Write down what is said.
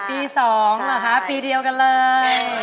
ปี๒เหรอคะปีเดียวกันเลย